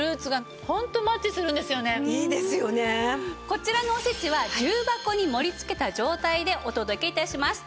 こちらのおせちは重箱に盛り付けた状態でお届け致します。